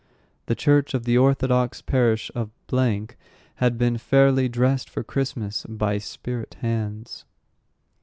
The church of the Orthodox parish of had been fairly dressed for Christmas by spirit hands.